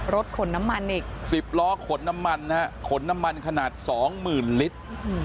รถขนน้ำมันอีก๑๐ล้อขนน้ำมันนะฮะขนน้ำมันขนาด๒๐๐๐ลิตร